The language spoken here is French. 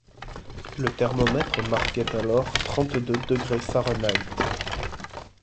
Le thermomètre marquait alors trente-deux degrés Fahrenheit